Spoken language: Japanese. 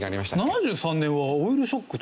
７３年はオイルショックとか。